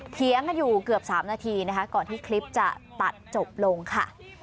เถียงกันอยู่เกือบ๓นาทีนะคะก่อนที่คลิปจะตัดจบลงค่ะ